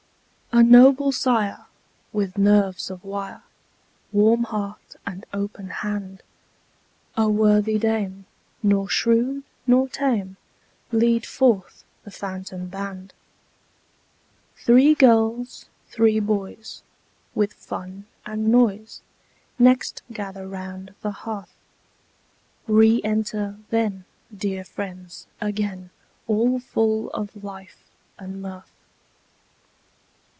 A noble sire, with nerves of wire, Warm heart, and open hand, A worthy dame, nor shrewd, nor tame, Lead forth the phantom band; Three girls, three boys, with fun and noise, Next gather round the hearth; Reenter, then, dear friends, again All full of life and mirth.